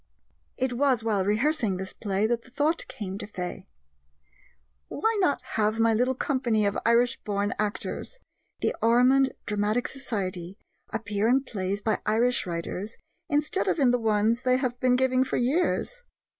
It was while rehearsing this play that the thought came to Fay: "Why not have my little company of Irish born actors the Ormond Dramatic Society appear in plays by Irish writers instead of in the ones they have been giving for years?"